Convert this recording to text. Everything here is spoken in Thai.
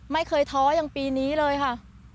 ไม่เคยท้อยังปีนี้เลยค่ะ